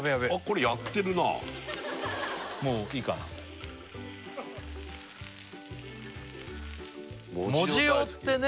これやってるなもういいかな藻塩ってね